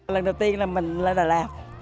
lần đầu tiên là mình lên đà lạt